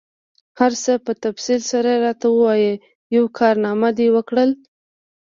هر څه په تفصیل سره راته ووایه، یوه کارنامه دي وکړل؟